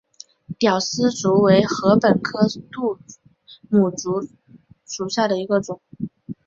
吊丝竹为禾本科牡竹属下的一个种。